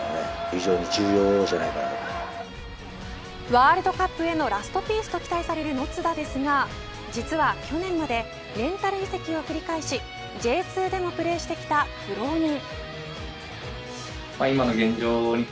ワールドカップへのラストピースと期待される野津田ですが実は去年までレンタル移籍を繰り返しＪ２でもプレーしてきた苦労人。